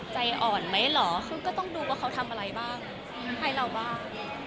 ใจอ่อนไหมเหรอซึ่งก็ต้องดูว่าเขาทำอะไรบ้างให้เราบ้าง